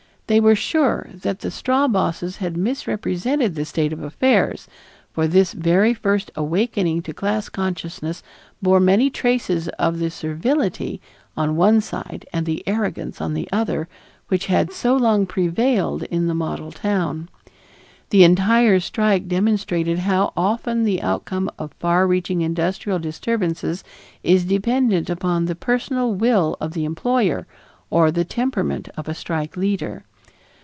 They were sure that the "straw bosses" had misrepresented the state of affairs, for this very first awakening to class consciousness bore many traces of the servility on one side and the arrogance on the other which had so long prevailed in the model town. The entire strike demonstrated how often the outcome of far reaching industrial disturbances is dependent upon the personal will of the employer or the temperament of a strike leader.